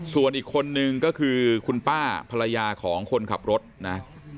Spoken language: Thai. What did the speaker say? ส่วนอีกคนนึงก็คือคุณป้าภรรยาของคนขับรถนะ